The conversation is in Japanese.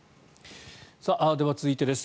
では続いてです。